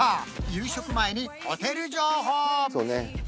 夕食前にホテル情報！